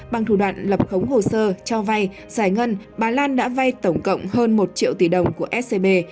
bằng thủ đoạn lập khống hồ sơ cho vay giải ngân bà lan đã vay tổng cộng hơn một triệu tỷ đồng của scb